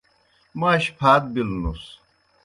موْ اش پھات بِلوْنُس۔